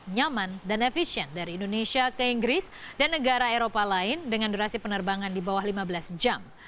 nyaman dan efisien dari indonesia ke inggris dan negara eropa lain dengan durasi penerbangan di bawah lima belas jam